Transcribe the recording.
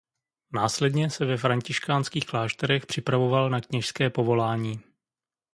Následně se ve františkánských klášterech připravoval na kněžské povolání.